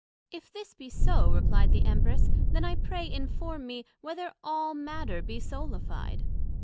If this be so, replied the Empress, then I pray inform me, Whether all matter be soulified?